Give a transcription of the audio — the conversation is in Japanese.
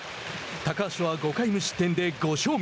高橋は５回無失点で５勝目。